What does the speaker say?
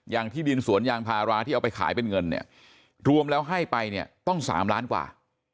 ที่ดินสวนยางพาราที่เอาไปขายเป็นเงินเนี่ยรวมแล้วให้ไปเนี่ยต้อง๓ล้านกว่า